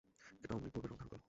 এটা অমনি পূর্বের রঙ ধারণ করল।